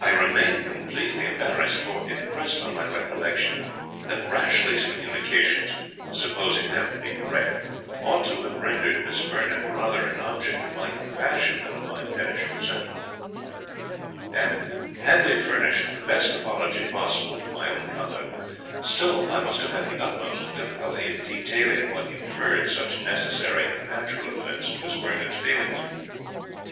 I remained completely embarrassed; for it pressed on my recollection, that Rashleigh's communications, supposing them to be correct, ought to have rendered Miss Vernon rather an object of my compassion than of my pettish resentment; and had they furnished the best apology possible for my own conduct, still I must have had the utmost difficulty in detailing what inferred such necessary and natural offence to Miss Vernon's feelings.